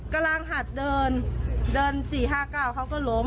กำลังหัดเดินเดิน๔๕๙เขาก็ล้ม